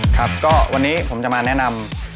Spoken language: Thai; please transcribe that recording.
ครับก็วันนี้ผมจะมาแนะนำ